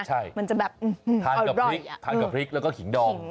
ใช่มันจะแบบทานกับพริกทานกับพริกแล้วก็ขิงดอง